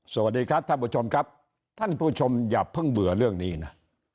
สวัสดีครับท่านผู้ชมครับท่านผู้ชมอย่าเพิ่งเบื่อเรื่องนี้นะ